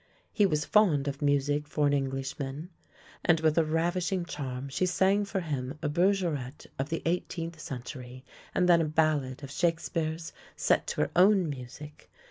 He was fond of music for an Englishman, and with a ravishing charm she sang for him a berge rette of the eighteenth century and then a ballad of Shakespeare's set to her own music.